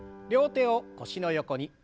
両手を腰の横に。